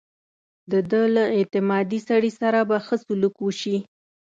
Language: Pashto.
د ده له اعتمادي سړي سره به ښه سلوک وشي.